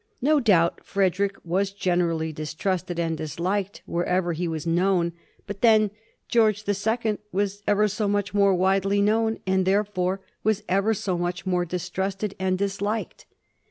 No doubt Frederick was generally dis trusted and disliked wherever he was known; but, then, George the Second was ever so much more widely known, and therefore was ever so much more distrusted and dis liked.